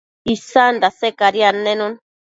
isan dase cadi annenun